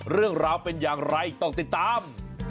เรื่องราวเป็นอย่างไรต้องติดตาม